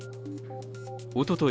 おととい